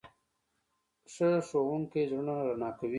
ښه ښوونکی زړونه رڼا کوي.